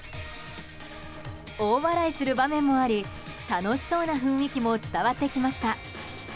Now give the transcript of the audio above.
大笑いする場面もあり楽しそうな雰囲気も伝わってきました。